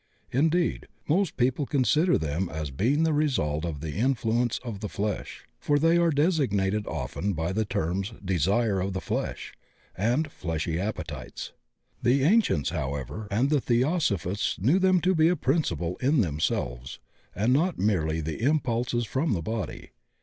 Indeed, most people consider them as being the result of the influence of the flesh, for they are designated often by the terms "desires of the flesh" and "fleshly appetites." The ancients, however, and the Theosophists know them to be a principle in them selves, and not merely the impulses from the body.